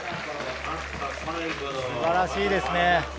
素晴らしいですね。